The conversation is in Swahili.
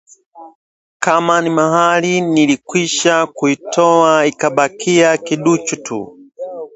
Kama ni mahari, nilikwisha kuitoa ikabakia kiduchu tu